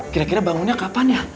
kira kira bangunnya kapan ya